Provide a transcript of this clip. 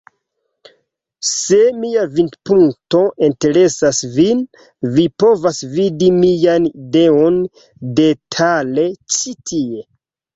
Se mia vidpunkto interesas vin vi povas vidi miajn ideojn detale ĉi tie.